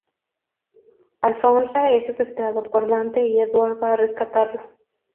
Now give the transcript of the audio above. Alphonse es secuestrado por Dante y Edward va a rescatarlo.